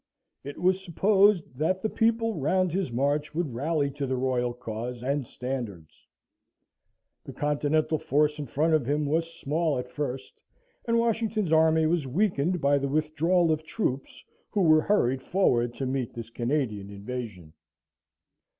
It was supposed that the people round his march would rally to the Royal cause and standards. The Continental force in front of him was small at first, and Washington's army was weakened by the withdrawal of troops who were hurried forward to meet this Canadian invasion.